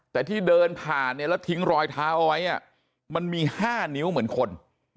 แต่ที่เดินผ่านเนี่ยแล้วทิ้งรอยเท้าเอาไว้มันมี๕นิ้วเหมือนคน